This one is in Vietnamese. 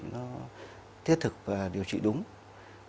nó thiết thực nó có hướng điều trị nó có hướng điều trị